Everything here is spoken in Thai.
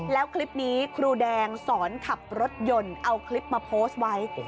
แล้วคลิปนี้ครูแดงสอนขับรถยนต์เอาคลิปมาโพสต์ไว้